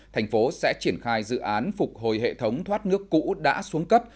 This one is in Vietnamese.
thành phố sẽ triển khai dự án phục hồi hệ thống thoát nước cũ đã xuống cấp